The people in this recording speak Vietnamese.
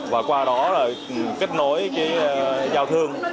và qua đó kết nối giao thương